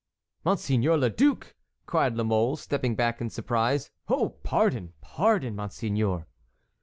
"Monseigneur le Duc!" cried La Mole, stepping back in surprise. "Oh, pardon, pardon, monseigneur!"